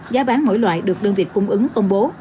giá bán mỗi loại được đơn vị cung ứng công bố